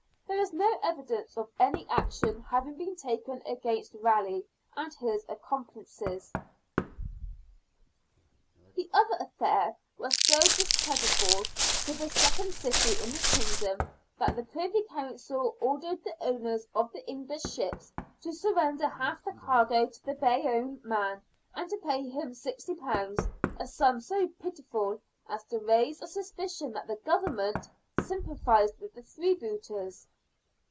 There is no evidence of any action having been taken against Raleigh and his accomplices. The other affair was so discreditable to the second city in the kingdom that the Privy Council ordered the owners of the English ships to surrender half the cargo to the Bayonne man and to pay him ;^6o — a sum so pitiful as to raise a suspicion that the Government sym pathised with the freebooters.